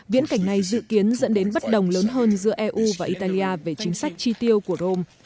viễn cảnh này dự kiến dẫn đến bất đồng lớn hơn giữa eu và italia về chính sách tri tiêu của rome